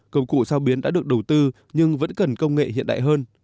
công cụ sao biến đã được đầu tư nhưng vẫn cần công nghệ hiện đại hơn